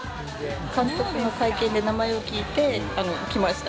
監督の会見で名前を聞いて来ました。